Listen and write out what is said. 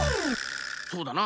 そうだな！